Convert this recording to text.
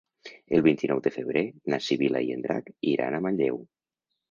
El vint-i-nou de febrer na Sibil·la i en Drac iran a Manlleu.